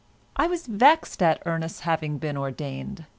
I was vexed at Ernest's having been ordained.